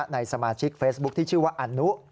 ในสมาชิกเฟซบุ๊คที่ชื่อว่าอนุ